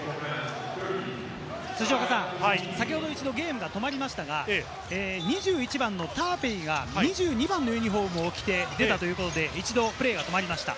辻岡さん、先ほど一度ゲームが止まりましたが、２１番のターペイが２２番のユニホームを着て出たということで一度プレーが止まりました。